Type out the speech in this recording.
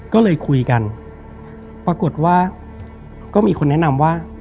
ก็เลยคุยกันปรากฏว่าก็มีคนแนะนำว่า